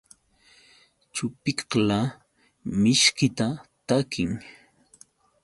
Chupiqla mishkita takin.